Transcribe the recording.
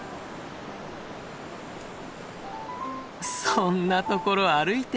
そんなところ歩いて。